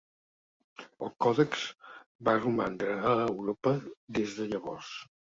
El còdex va romandre a Europa des de llavors.